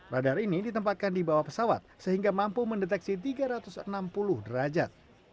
radar ini ditempatkan di bawah pesawat sehingga mampu mendeteksi tiga ratus enam puluh derajat